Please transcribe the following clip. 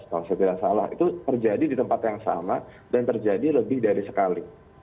kalau saya tidak salah itu terjadi di tempat yang sama dan terjadi lebih dari sekali